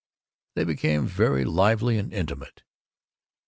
They became very lively and intimate.